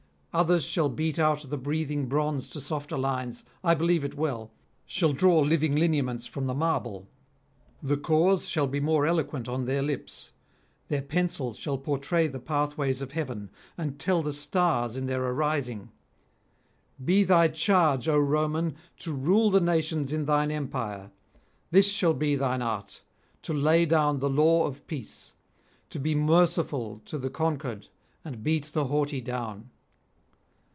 Others shall beat out the breathing bronze to softer lines, I believe it well; shall draw living lineaments from the marble; the cause shall be more eloquent on their lips; their pencil shall portray the pathways of heaven, and tell the stars in their arising: be thy charge, O Roman, to rule the nations in thine empire; this shall be thine art, to lay down the law of peace, to be merciful to the conquered and beat the haughty down.'